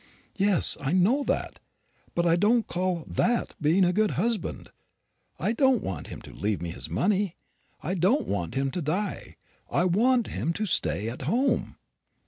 "O yes, I know that; but I don't call that being a good husband. I don't want him to leave me his money. I don't want him to die. I want him to stay at home."